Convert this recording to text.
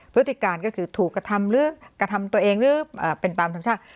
พฤติการก็คือถูกกระทำหรือกระทำตัวเองหรือเป็นตามธรรมชาติ